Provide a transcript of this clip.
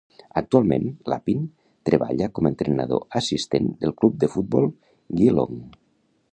Actualment, Lappin treballa com a entrenador assistent del club de futbol Geelong.